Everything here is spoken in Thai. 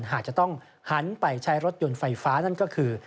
หากจะต้องหันไปใช้รถยนต์ไฟฟ้านั่นก็คือ